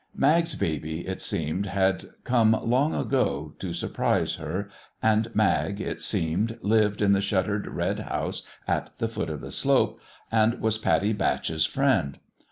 Mag's baby, it seemed, had come long ago, to surprise her; and Mag, it seemed, lived in the shuttered red house at the foot of the slope, and was Pattie Batch's friend.